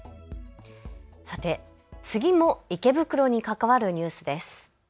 さて次も池袋に関わるニュースです。